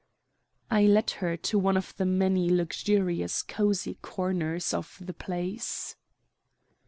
I led her to one of the many luxurious cosy corners of the place.